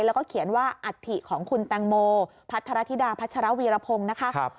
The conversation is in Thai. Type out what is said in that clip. แล้วก็เขียนว่าอัฐิของคุณแตงโมพัทรธิดาพัชรวีรพงศ์นะคะ